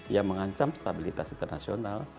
yang mengancam stabilitas internasional